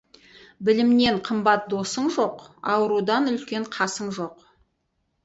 Білімнен қымбат досың жоқ, аурудан үлкен қасың жоқ.